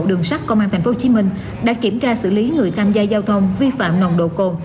đường sắt công an tp hcm đã kiểm tra xử lý người tham gia giao thông vi phạm nồng độ cồn